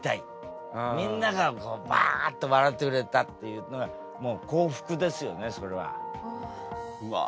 みんながバッと笑ってくれたっていうのがもう幸福ですよねそれは。うわ。